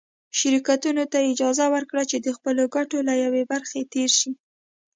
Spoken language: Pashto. شرکتونو ته یې اجازه ورکړه چې د خپلو ګټو له یوې برخې تېر شي.